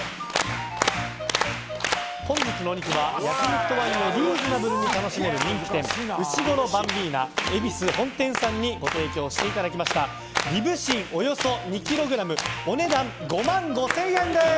本日のお肉は、焼き肉とワインをリーズナブルに楽しめる人気店うしごろバンビーナ恵比寿本店さんにご提供していただいたリブ芯、およそ２ｋｇお値段５万５０００円です。